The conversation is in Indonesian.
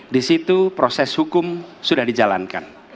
di situ proses hukum sudah dijalankan